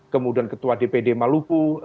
kemudian ketua dpd maluku